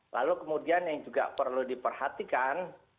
lalu kemudian yang juga perlu diperhatikan